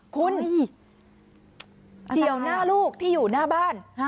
คุณเฉียวหน้าลูกที่อยู่หน้าบ้าน